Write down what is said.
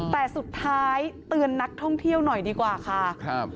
แต่สุดท้ายเตือนนักท่องเที่ยวหน่อยดีกว่าค่ะครับ